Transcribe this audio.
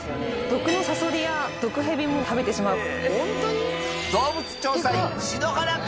毒のサソリや毒ヘビも食べてしまう。